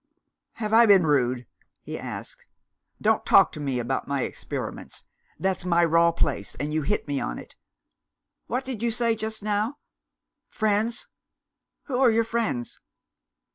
"Have I been rude?" he asked. "Don't talk to me about my experiments. That's my raw place, and you hit me on it. What did you say just now? Friends? who are your friends?"